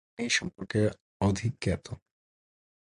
আপনি আপনার সৈন্য বাহিনী সম্পর্কে অধিক জ্ঞাত।